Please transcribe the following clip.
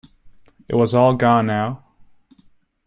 It was all gone now.